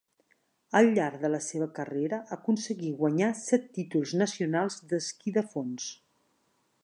Al llarg de la seva carrera aconseguí guanyar set títols nacionals d'esquí de fons.